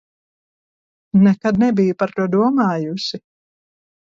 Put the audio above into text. Nekad nebiju par to domājusi!